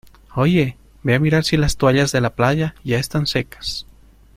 Oye, ve a mirar si las toallas de la playa ya están secas.